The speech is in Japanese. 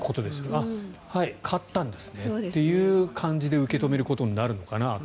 あっ勝ったんですねという感じで受け止めることになるのかなと。